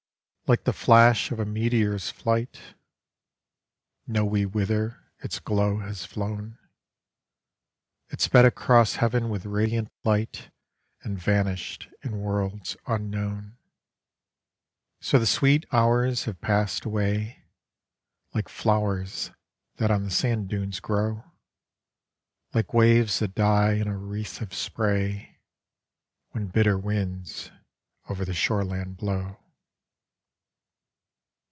Like the flash of a meteor 1 s flight, Know we whither its slow has flown; It sped across heaven with radiant light And vanished i;i worlds unknown So the sweet hours have passed away Like flowers that on the sand dunes grow, Like waves that die in a wreath of spray When bitter winds over the ehorel&nd blow.